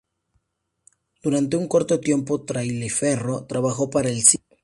Durante un corto tiempo, Taliaferro trabajó para el cine.